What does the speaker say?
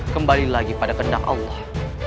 kembali lagi pada kendak allah